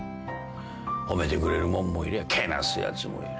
褒めてくれる者もいりゃけなすやつもいる。